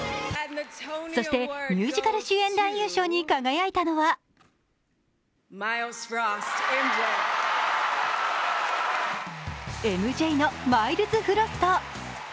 そしてミュージカル主演男優賞に輝いたのは「ＭＪ」のマイルズ・フロスト。